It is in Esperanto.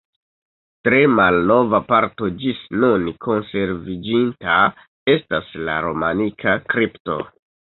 Tre malnova parto ĝis nun konserviĝinta estas la romanika kripto.